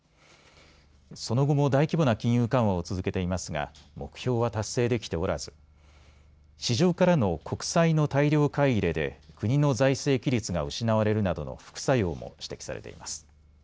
その後も大規模な金融緩和を続けていますが目標は達成できておらず市場からの国債の大量買い入れで国の財政規律が失われるなどの副作用も指摘されています。